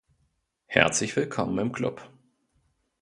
Herzlich willkommen im Club.